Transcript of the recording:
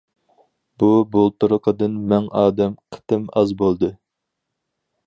بۇ-- بۇلتۇرقىدىن مىڭ ئادەم قېتىم ئاز بولدى.